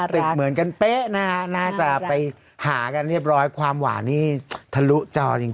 ติดเหมือนกันเป๊ะนะฮะน่าจะไปหากันเรียบร้อยความหวานนี่ทะลุจอจริง